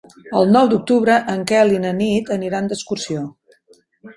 El nou d'octubre en Quel i na Nit aniran d'excursió.